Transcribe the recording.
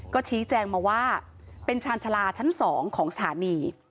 ก็ชี้แจงมาว่าเป็นชาญชาลาชั้น๒ของสถานี